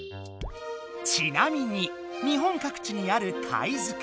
ちなみに日本各地にある「貝塚」。